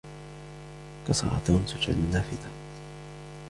كسر توم زجاج النافذة.